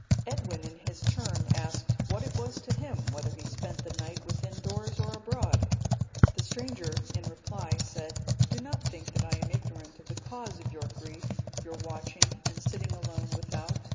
Edwin, in his turn, asked, what it was to him, whether he spent the night within doors or abroad. The stranger, in reply, said, "Do not think that I am ignorant of the cause of your grief, your watching, and sitting alone without.